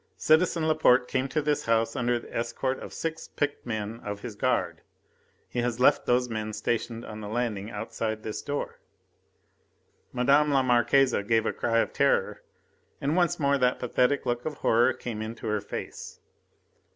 Citizen Laporte came to this house under the escort of six picked men of his guard. He has left these men stationed on the landing outside this door." Madame la Marquise gave a cry of terror, and once more that pathetic look of horror came into her face.